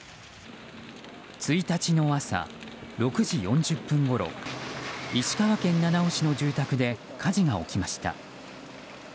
１日の朝６時４０分ごろ石川県七尾市の住宅で火事が起きました。